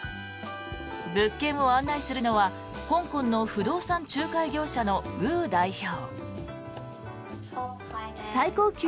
物件を案内するのは香港の不動産仲介業者のウー代表。